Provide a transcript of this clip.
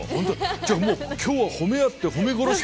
じゃあもう今日は褒め合って褒め殺して終わる。